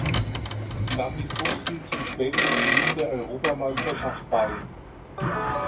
Damit trug sie zum späteren Gewinn der Europameisterschaft bei.